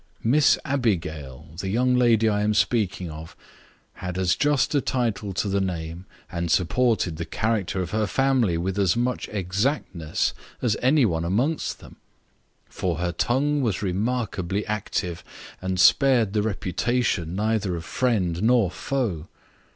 Miss Abigail, the young lady I am speaking of, had as just a title to the name, and supported the character of her family with as much exactness as any one amongst them; for her tongue was remarkably active, and spared the reputation neither of friend nor foe.